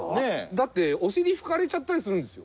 だってお尻拭かれちゃったりするんですよ。